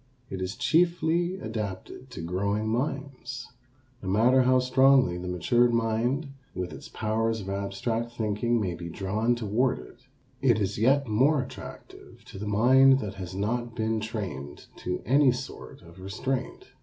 It is chiefly adapted to growing minds. No matter how strongly the matured mind with its powers of abstract thinking may be drawn toward it, it is yet more attractive to the mind that has not been trained to any sort of restraint.